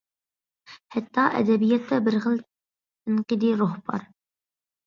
ھەتتا، ئەدەبىياتتا بىر خىل تەنقىدىي روھ بار.